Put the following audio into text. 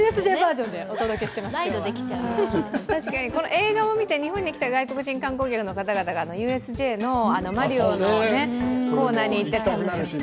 映画を見て日本に来た外国人観光客がＵＳＪのマリオのコーナーに行ったことがある人がいるし。